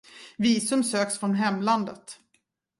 Visum söks från hemlandet.